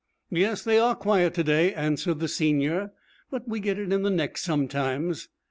'Yes, they are quiet to day,' answered the senior. 'But we get it in the neck sometimes.'